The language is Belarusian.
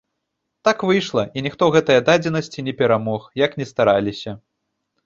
Так выйшла, і ніхто гэтае дадзенасці не перамог, як ні стараліся.